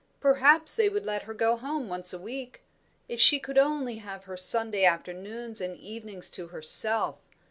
Perhaps they would let her go home once a week. If she could only have her Sunday afternoons and evenings to herself!